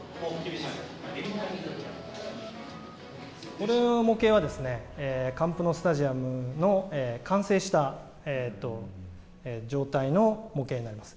この模型は、カンプノウスタジアムの完成した状態の模型になります。